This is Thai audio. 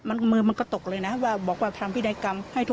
มือมันก็ตกเลยนะบอกว่าทำพิ